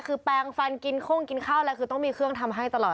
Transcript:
คือแปลงฟันกินโค้งกินข้าวอะไรคือต้องมีเครื่องทำให้ตลอด